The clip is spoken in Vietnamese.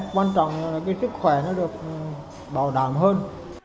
quan trọng là cái sức khỏe nó được bảo đảm hơn